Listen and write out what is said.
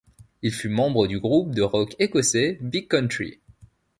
Il fut membre du groupe de rock écossais Big Country.